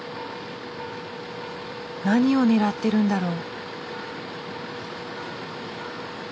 何を狙ってるんだろう。